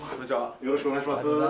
よろしくお願いします。